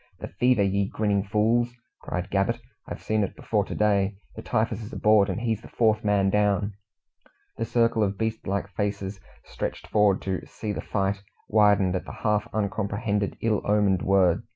"The fever, ye grinning fools!" cried Gabbett. "I've seen it before to day. The typhus is aboard, and he's the fourth man down!" The circle of beast like faces, stretched forward to "see the fight," widened at the half uncomprehended, ill omened word.